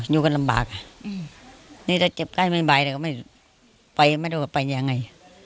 อยู่กันลำบากถ้าเจ็บใกล้ไม่ไหวก็ไม่รู้ว่าไปยังไง